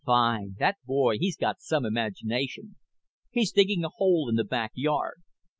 "Fine. That boy, he's got some imagination. He's digging a hole in the back yard.